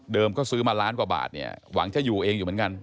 ก็ซื้อมาล้านกว่าบาทเนี่ยหวังจะอยู่เองอยู่เหมือนกัน